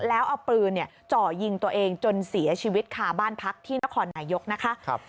แล้วเอาปืนจ่อยิงตัวเองจนเสียชีวิตคาบ้านพักที่นครนายกนะคะ